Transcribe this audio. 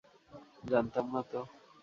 জানতাম না তো।